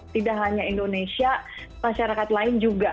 tidak hanya indonesia masyarakat lain juga